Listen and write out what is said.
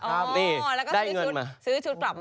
เออแล้วก็เสื่อชุดกลับมา